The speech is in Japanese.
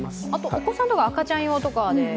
お子さんとか赤ちゃん用とかで。